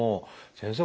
先生